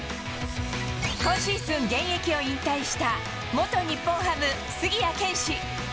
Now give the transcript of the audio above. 今シーズン現役を引退した、元日本ハム、杉谷拳士。